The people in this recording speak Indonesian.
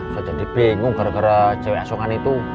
saya jadi bingung gara gara cewek asongan itu